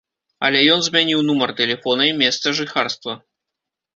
Але ён змяніў нумар тэлефона і месца жыхарства.